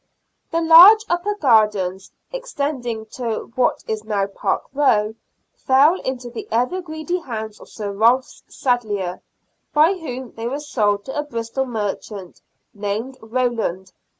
The large upper gardens, extending to what is now Park Row, fell into the ever greedy hands of Sir Ralph Sadleir, by whom they were sold to a Bristol merchant named Rowland.